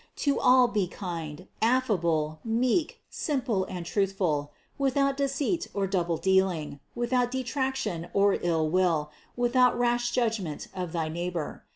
To all be kind, affable, meek, simple and truthful; without deceit or double dealing, without detraction or illwill, without rash judgment of thy neighbor.